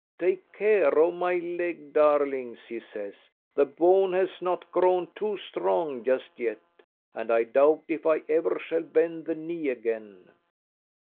"Take care of my leg, darlings," he says; "the bone has not grown too strong just yet, and I doubt if ever I shall bend the knee again.